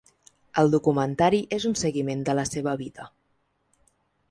El documentari és un seguiment de la seva vida.